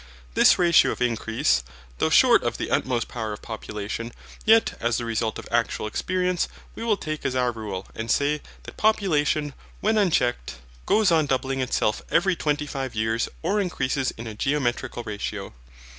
This ratio of increase, though short of the utmost power of population, yet as the result of actual experience, we will take as our rule, and say, that population, when unchecked, goes on doubling itself every twenty five years or increases in a geometrical ratio.